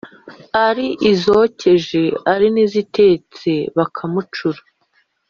ari izokeje, ari n'izitetse bakamucura